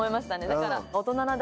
だから。